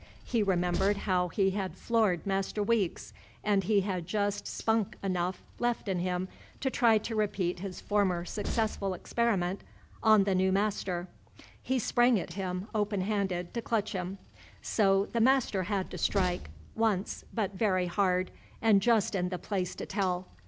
He remembered how he had floored Master Weeks, and he had just "spunk" enough left in him to try to repeat his former successful experiment an the new master. He sprang at him, open handed, to clutch him. So the master had to strike, once, but very hard, and just in the place to tell.